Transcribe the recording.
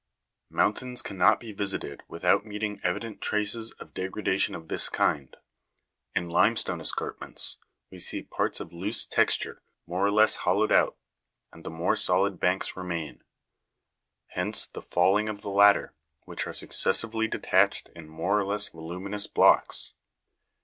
Mountains cannot be visited without meeting' evident traces of degrada tion of this kind. In limestone escarpments (Jig. 204), we see parts of loose Fig. 204. Fig. 205. Daily effects of degradation in mountains. texture, more or less hollowed out, and the more solid banks remain. Hence the falling of the latter, which are successively detached in more or less voluminous blocks.